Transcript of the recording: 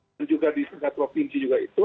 dan juga di tingkat provinsi juga itu